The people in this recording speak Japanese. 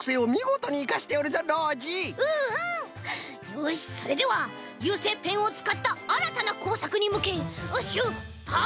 よしそれでは油性ペンをつかったあらたなこうさくにむけしゅっぱつ！